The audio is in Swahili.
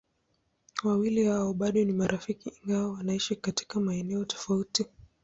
Wawili hao bado ni marafiki ingawa wanaishi katika maeneo tofauti.